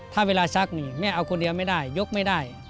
ถ้าเวลาซักนี่แม่เอาคนเดียวไม่ได้ยกไม่ได้